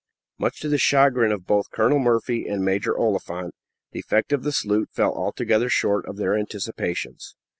Much to the chagrin of both Colonel Murphy and Major Oliphant, the effect of the salute fell altogether short of their anticipations.